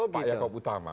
pak yaakob utama